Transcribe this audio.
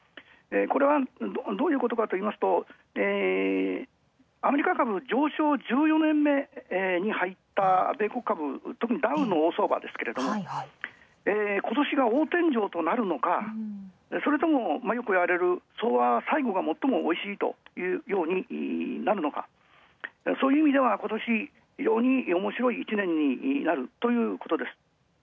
これは、どういうことかといいますと、アメリカ株上昇１４年目に入った米国株、特にダウで今年が大天井となるのか、それとも、よく言われる相場は最後は最もおいしいというようになるのか、そういう意味では今年、非常におもしろい１年になるということです。